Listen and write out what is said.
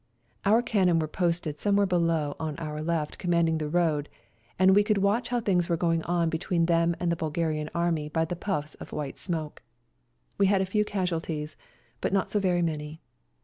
Our cannon were posted somewhere below on 144 FIGHTING ON MOUNT CHUKUS our left commanding the road, and we could watch how things were going on between them and the Bulgarian artillery by the puffs of white smoke. We had a few casualties, but not so very many.